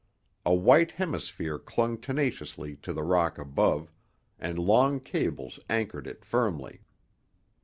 A white hemisphere clung tenaciously to the rock above, and long cables anchored it firmly.